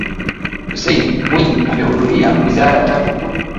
Hussein Mwinyi amehudumia wizara tatu tu